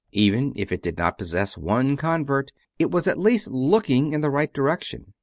Even if it did not possess one convert, it was at least looking in the right direction.